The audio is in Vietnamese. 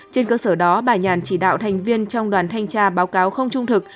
trên cơ sở đó bà nhàn chỉ đạo thành viên trong đoàn thanh tra báo cáo không trung thực